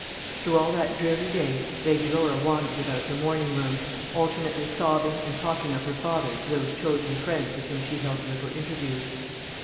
Through all that dreary day Lady Laura wandered about her morning room, alternately sobbing and talking of her father to those chosen friends with whom she held little interviews.